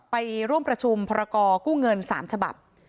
ไปร่วมประชุมพรกรกู้เงิน๓ฉบับ